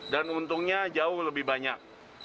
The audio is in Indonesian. dan untungnya jauh lebih banyak